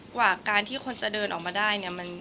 กว่าการที่คนจะเดินออกมาได้เนี่ย